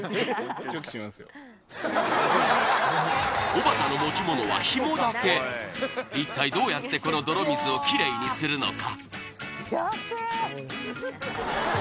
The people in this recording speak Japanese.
おばたの持ち物はヒモだけ一体どうやってこの泥水をキレイにするのか？